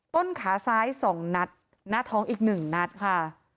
ต้นขาซ้าย๒นัดหน้าท้องอีก๑นัดค่ะ